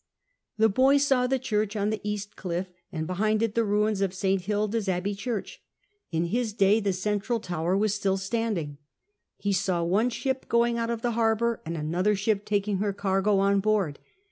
The boy saw the church on the cast clilF, and behind it the ruins of St. Hilda's abbey church — in his day the central tower was still standing ; he saw one sliip going out of harbour, and another shi]> taking her cargo on board.